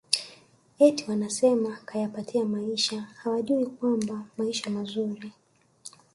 eti wanasema kayapatia maisha hawajui kwamba maisha mazuri